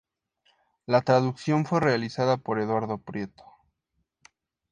La traducción fue realizada por Eduardo Prieto.